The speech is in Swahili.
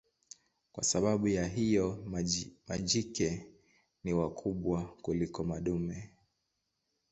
Kwa sababu ya hiyo majike ni wakubwa kuliko madume.